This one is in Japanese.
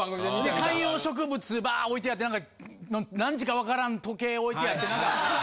観葉植物バーッ置いてあって何時か分からん時計置いてあって。